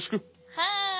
はい。